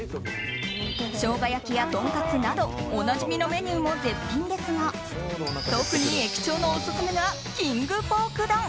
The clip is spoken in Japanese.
ショウガ焼きやとんかつなどおなじみのメニューも絶品ですが特に駅長のオススメがキングポーク丼。